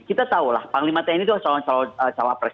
kita tahulah panglima tni itu salah salah salah cawapres